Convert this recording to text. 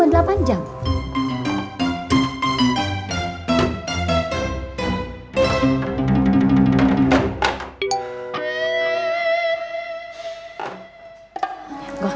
boleh liat itunya gak